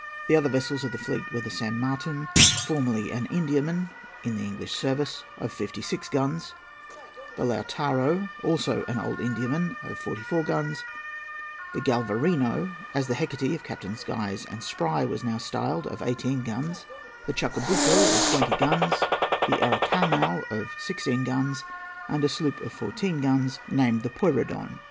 The other vessels of the fleet were the San Martin, formerly an Indiaman in the English service, of fifty six guns; the Lautaro, also an old Indiaman, of forty four guns; the Galvarino, as the Hecate of Captains Cruise and Spry was now styled, of eighteen guns; the Chacabuco, of twenty guns; the Aracauno, of sixteen guns; and a sloop of fourteen guns named the Puyrredon.